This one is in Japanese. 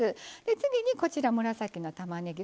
次にこちら紫のたまねぎ。